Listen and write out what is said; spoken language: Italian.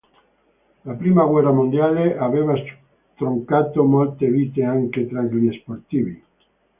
La prima guerra mondiale aveva stroncato molte vite anche tra gli sportivi.